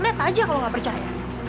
lihat aja kalau gak percaya